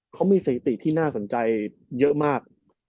เขามีสถิติที่น่าสนใจเยอะมาก